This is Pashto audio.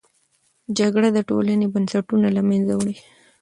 جګړه د ټولنې بنسټونه له منځه وړي.